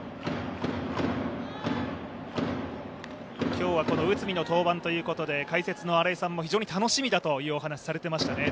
今日は内海の登板ということで解説の新井さんも非常に楽しみだというお話をされていましたね。